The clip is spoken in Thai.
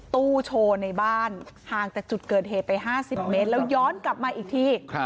ตู้โชว์ในบ้านห่างจากจุดเกิดเหตุไป๕๐เมตรแล้วย้อนกลับมาอีกที